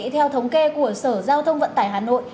theo thống kê của sở giao thông vận tải hà nội